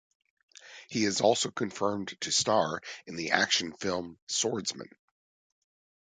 He is also confirmed to star in the action film "Swordsman".